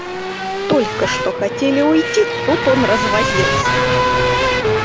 Только что хотели уйти, тут он развозился.